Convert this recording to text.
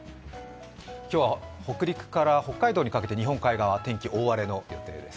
今日は北陸から北海道にかけて、日本海側、天気が大荒れの予想です。